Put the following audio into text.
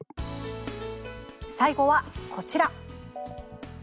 最後はこちら。